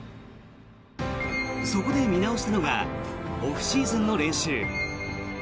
そこで見直したのがオフシーズンの練習。